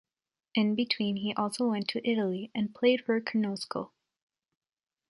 In between he also went to Italy, and played for Cernusco.